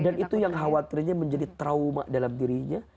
dan itu yang khawatirnya menjadi trauma dalam dirinya